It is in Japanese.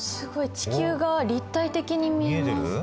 地球が立体的に見えます。